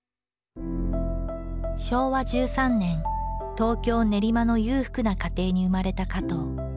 昭和１３年東京練馬の裕福な家庭に生まれた加藤。